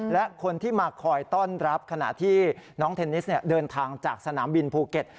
และคนที่มาคอยต้อนรับขณะที่น้องเทนนิสเดินทางจากสนามบินภูเก็ต